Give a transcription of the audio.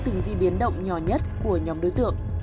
từng di biến động nhỏ nhất của nhóm đối tượng